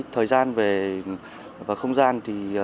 thời gian và không gian